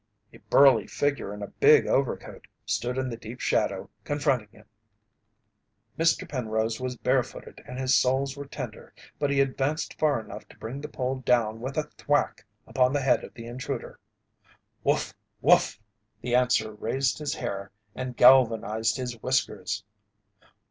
A burly figure in a big overcoat stood in the deep shadow confronting him. Mr. Penrose was bare footed and his soles were tender but he advanced far enough to bring the pole down with a thwack upon the head of the intruder. "Woof! Woof!" The answer raised his hair and galvanized his whiskers.